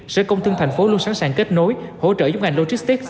sở công thương thành phố luôn sẵn sàng kết nối hỗ trợ giúp ngành logistics